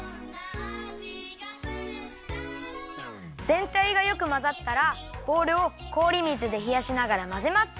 ぜんたいがよくまざったらボウルをこおり水でひやしながらまぜます。